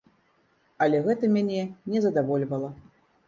Але гэта мяне не задавольвала.